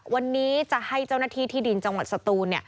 วันนี้จะให้เจ้าหน้าที่ที่ดินจังหวัดสตูน